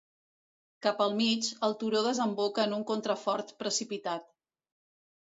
Cap al mig, el turó desemboca en un contrafort precipitat.